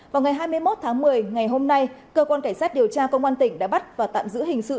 vào ngày hai mươi một tháng một mươi ngày hôm nay cơ quan cảnh sát điều tra công an tỉnh đã bắt và tạm giữ hình sự